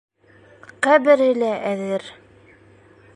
Ҡәбере лә әҙер...